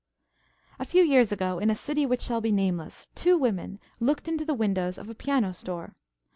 A few years ago in a city which shall be nameless, two women looked into the windows of a piano store.